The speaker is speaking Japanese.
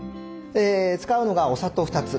使うのがお砂糖２つ。